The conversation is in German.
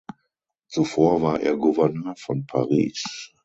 Zuvor war er Gouverneur von Paris.